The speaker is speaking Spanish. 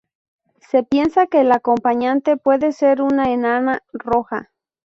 Se piensa que la acompañante puede ser una enana roja.